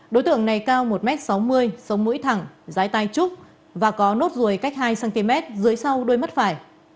đối tượng này cao một m sáu mươi sống mũi thẳng rái tai trúc và có nốt ruồi cách hai cm dưới sau đôi mắt phải